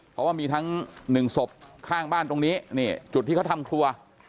เพราะว่ามีทั้ง๑ศพข้างบ้านตรงนี้นี่จุดที่เขาทำครัว